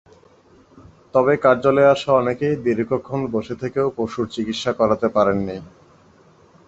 তবে কার্যালয়ে আসা অনেকেই দীর্ঘক্ষণ বসে থেকেও পশুর চিকিৎসা করাতে পারেননি।